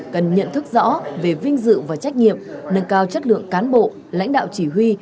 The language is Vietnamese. cần nhận thức rõ về vinh dự và trách nhiệm nâng cao chất lượng cán bộ lãnh đạo chỉ huy